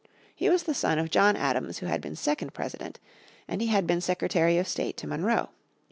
He was the son of John Adams who had been second President, and he had been Secretary of State to Monroe.